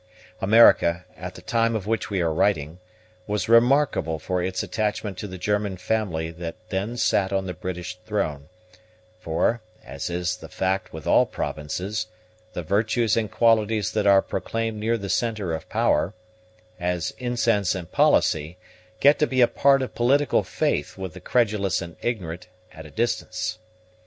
America, at the time of which we are writing, was remarkable for its attachment to the German family that then sat on the British throne; for, as is the fact with all provinces, the virtues and qualities that are proclaimed near the centre of power, as incense and policy, get to be a part of political faith with the credulous and ignorant at a distance.